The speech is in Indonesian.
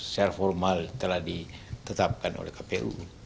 secara formal telah ditetapkan oleh kpu